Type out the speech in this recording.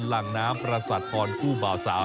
หลังน้ำพระสัตว์ธรคู่เบาสาว